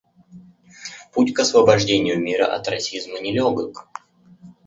Путь к освобождению мира от расизма нелегок.